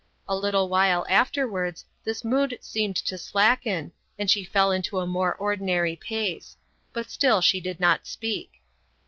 A little while afterwards this mood seemed to slacken and she fell into a more ordinary pace; but still she did not speak.